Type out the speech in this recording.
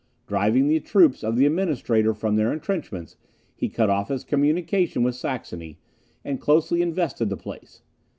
Driving the troops of the Administrator from their entrenchments, he cut off his communication with Saxony, and closely invested the place.